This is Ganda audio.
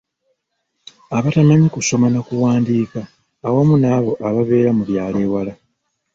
Abatamanyi kusoma na kuwandiika awamu n'abo ababeera mu byalo ewala.